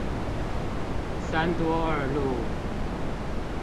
三多二路